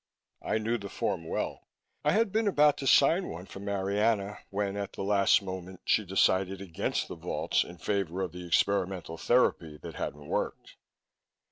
I knew the form well I had been about to sign one for Marianna when, at the last moment, she decided against the vaults in favor of the experimental therapy that hadn't worked.